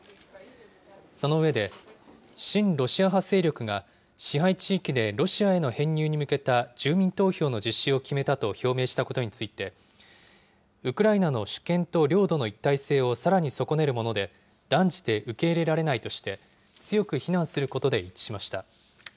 その上で、親ロシア派勢力が支配地域でロシアへの編入に向けた住民投票の実施を決めたと表明したことについて、ウクライナの主権と領土の一体性をさらに損ねるもので、断じて受け入れられないとして、強く非難することで一致しました。